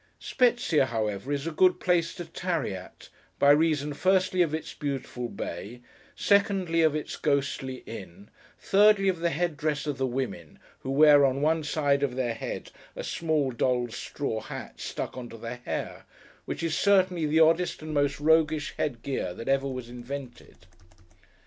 Spezzia, however, is a good place to tarry at; by reason, firstly, of its beautiful bay; secondly, of its ghostly Inn; thirdly, of the head dress of the women, who wear, on one side of their head, a small doll's straw hat, stuck on to the hair; which is certainly the oddest and most roguish head gear that ever was invented.